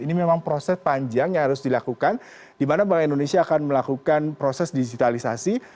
ini memang proses panjang yang harus dilakukan di mana bank indonesia akan melakukan proses digitalisasi